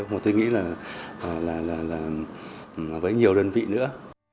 tôi nghĩ là với nhiều đơn vị nữa